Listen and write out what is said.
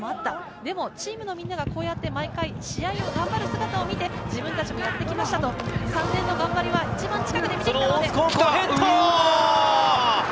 でもチームのみんながこうやって毎回試合を頑張る姿を見て、自分たちもやってきましたと、３年の頑張りは一番近くでその大津高校。